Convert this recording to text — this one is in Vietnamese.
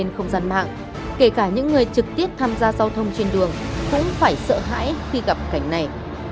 trên không gian mạng kể cả những người trực tiếp tham gia giao thông trên đường cũng phải sợ hãi khi gặp cảnh này